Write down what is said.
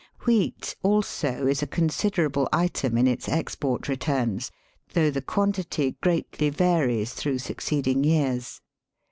Wheat also is a considerable item in its export returns, though the quan tity greatly varies through succeeding years.